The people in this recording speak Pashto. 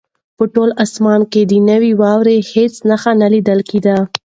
په ټول اسمان کې د نوې واورې هېڅ نښه نه لیدل کېده.